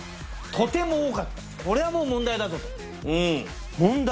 とても多かったこれはもう問題だぞと問題？